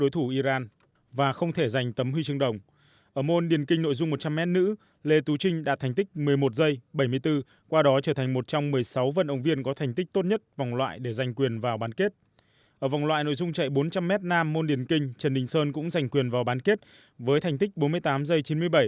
trần đình sơn cũng giành quyền vào bán kết với thành tích bốn mươi tám giây chín mươi bảy